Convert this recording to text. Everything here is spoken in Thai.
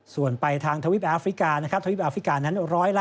ส่วนไปทางทวิปแอฟริกานะครับทวิปแอฟริกานั้น